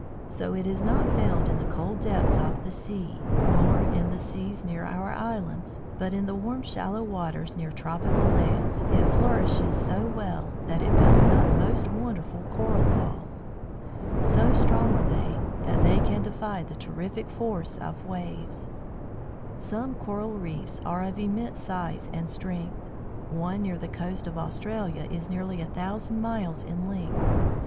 So it is not found in the cold depths of the sea, nor in the seas near our islands, but in the warm shallow waters near tropical lands it flourishes so well that it builds up most wonderful Coral walls. So strong are they that they can defy the terrific force of the waves. [Illustration: THE PICTURE STORY OF A CORAL ISLAND.] Some coral reefs are of immense size and strength. One, near the coast of Australia, is nearly a thousand miles in length.